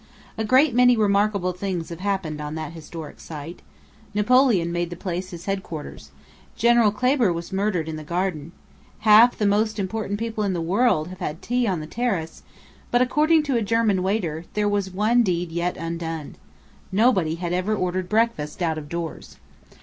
A great many remarkable things have happened on that historic site. Napoleon made the place his headquarters. General Klèber was murdered in the garden. Half the most important people in the world have had tea on the terrace: but, according to a German waiter, there was one deed yet undone. Nobody had ever ordered breakfast out of doors.